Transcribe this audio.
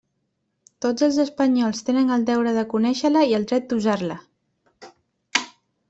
Tots els espanyols tenen el deure de conéixer-la i el dret d'usar-la.